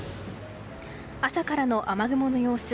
朝からの雨雲の様子。